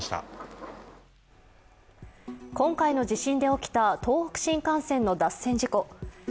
今回の地震で起きた東北新幹線の脱線事故。